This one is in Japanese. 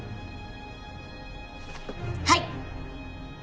はい。